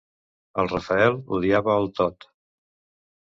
El Rafael odiava el Todd.